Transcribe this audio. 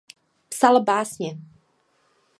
Psal básně.